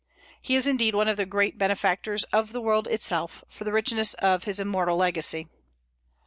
He is indeed one of the great benefactors of the world itself, for the richness of his immortal legacy.